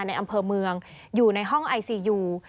ในอำเภอเมืองอยู่ในห้องไอซียู